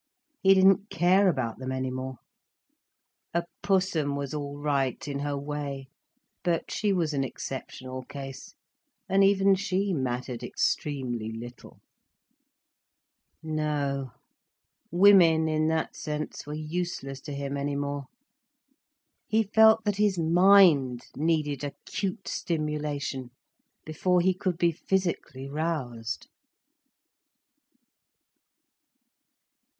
He didn't care about them any more. A Pussum was all right in her way, but she was an exceptional case, and even she mattered extremely little. No, women, in that sense, were useless to him any more. He felt that his mind needed acute stimulation, before he could be physically roused.